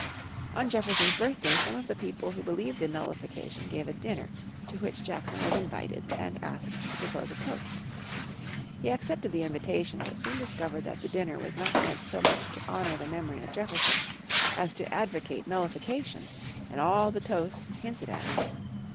On Jefferson's birthday some of the people who believed in nullification gave a dinner to which Jackson was invited and asked to propose a toast. He accepted the invitation, but soon discovered that the dinner was not meant so much to honour the memory of Jefferson as to advocate nullification and all the toasts hinted at it.